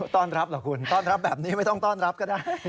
ต้อนรับเหรอคุณต้อนรับแบบนี้ไม่ต้องต้อนรับก็ได้